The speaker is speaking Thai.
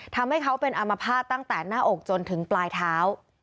ทำให้เขาเป็นอามภาษณ์ตั้งแต่หน้าอกจนถึงปลายเท้า